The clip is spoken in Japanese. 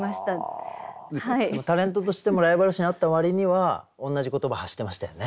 タレントとしてもライバル心あった割には同じ言葉発してましたよね。